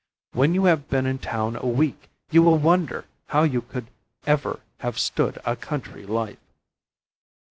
When you have been in town a week you will wonder how you could ever have stood a country life."